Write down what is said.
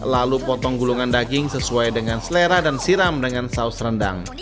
lalu potong gulungan daging sesuai dengan selera dan siram dengan saus rendang